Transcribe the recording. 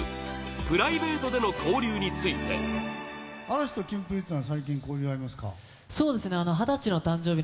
プライベートでの交流について櫻井：人生相談？